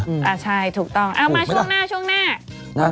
อ่ะใช่ถูกต้องเอามาช่วงหน้า